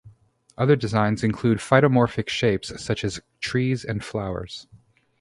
Other designs include phytomorphic shapes, such as trees and flowers.